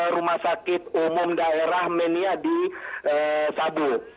rumah sakit umum daerah menia di sabu